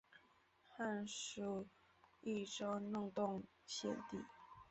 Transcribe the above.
汉属益州弄栋县地。